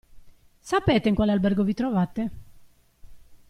Sapete in quale albergo vi trovate?